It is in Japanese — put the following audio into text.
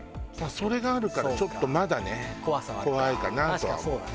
それがあるからちょっとまだね怖いかなとは思う。